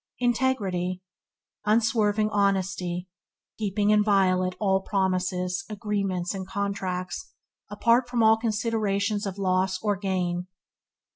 Integrity – Unswerving honesty; keeping inviolate all promises, agreements, and contracts, apart from all considerations of loss or gain.